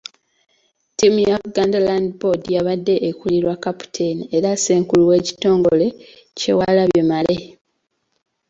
Ttiimu ya Buganda Land Board yabadde ekulirwa kkaputeeni era Ssenkulu w’ekitongole, Kyewalabye Male.